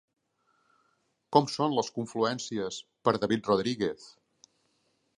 Com són les confluències per David Rodríguez?